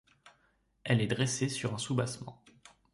Elle est dressée sur un soubassement.